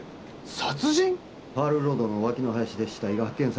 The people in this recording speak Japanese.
パールロードの脇の林で死体が発見されました。